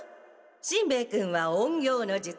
しんべヱ君は隠形の術。